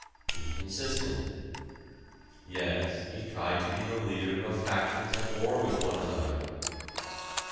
Inconsistent: yes, he tried to be the leader of factions at war with one another.